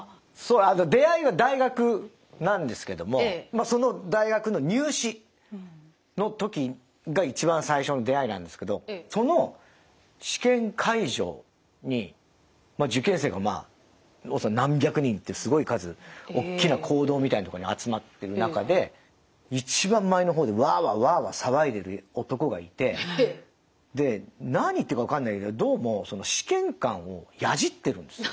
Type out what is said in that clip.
出会いは大学なんですけどもその大学の入試のときが一番最初の出会いなんですけどその試験会場に受験生が何百人ってすごい数おっきな講堂みたいなとこに集まってる中で一番前の方でワーワーワーワー騒いでる男がいてで何言ってるかわかんないけどどうも試験官をヤジってるんですよ。